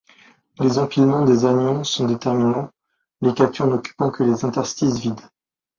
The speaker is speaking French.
Les empilements des anions sont déterminants, les cations n'occupant que les interstices vides.